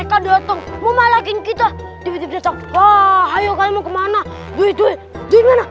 mereka datang memalai kita diwetak wetak wah ayo kamu kemana duit duit di mana